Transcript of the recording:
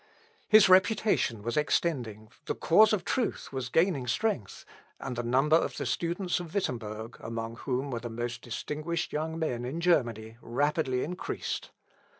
His reputation was extending, the cause of truth was gaining strength, and the number of the students of Wittemberg, among whom were the most distinguished young men in Germany, rapidly increased.